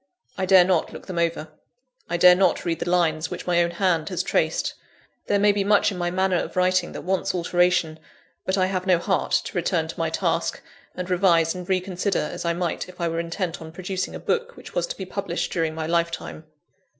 I dare not look them over: I dare not read the lines which my own hand has traced. There may be much in my manner of writing that wants alteration; but I have no heart to return to my task, and revise and reconsider as I might if I were intent on producing a book which was to be published during my lifetime.